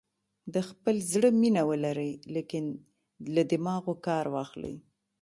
د خپل زړه مینه ولرئ لیکن له دماغو کار واخلئ.